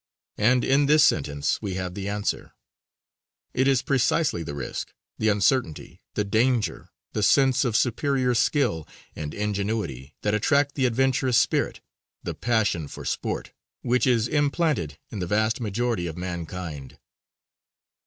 And in this sentence we have the answer: It is precisely the risk, the uncertainty, the danger, the sense of superior skill and ingenuity, that attract the adventurous spirit, the passion for sport, which is implanted in the vast majority of mankind.